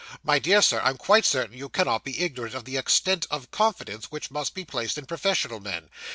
My dear sir, I'm quite certain you cannot be ignorant of the extent of confidence which must be placed in professional men.